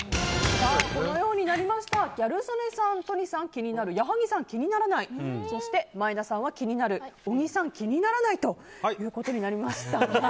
ギャル曽根さん、都仁さん気になる矢作さん、気にならない前田さんは気になる小木さん、気にならないということになりました。